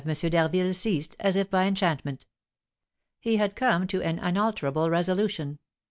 d'Harville ceased, as if by enchantment. He had come to an unalterable resolution.